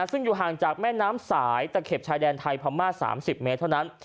ซึ่งอยู่ห่างจากแม่น้ำสายตะเบ็บชายแดนไทยพม่า๓๐เมตรเท่านั้น